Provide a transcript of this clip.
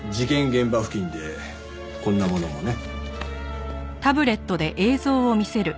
現場付近でこんなものもね。